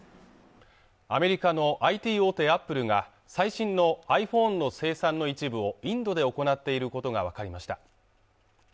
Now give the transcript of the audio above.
アメリカのＩＴ大手アップルが最新のｉＰｈｏｎｅの生産の一部をインドで行っていることが分かりました